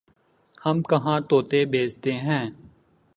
ہم کہاں طوطے بیچتے ہیں